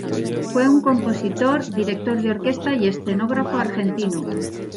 Fue un compositor, director de orquesta y escenógrafo argentino.